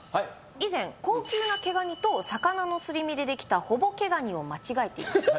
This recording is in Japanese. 以前高級な毛ガニと魚のすり身でできたほぼ毛ガニを間違えていました